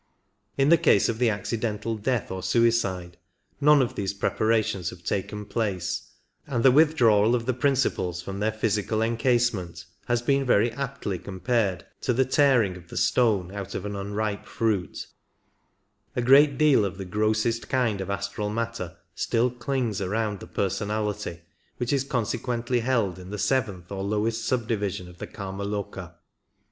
In the case of the accidental death or suicide none of these preparations have taken place, and the withdrawal of the principles from their physical encase ment has been very aptly compared to the tearing of the stone out of an unripe fruit ; a great deal of the grossest kind of astral matter still clings around ihe personality, which is consequently held in the seventh or lowest sub division of the Kimaloka.